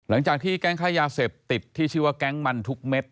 หลังจากที่แก๊งค้ายาเสพติดที่ชื่อว่าแก๊งมันทุกเม็ด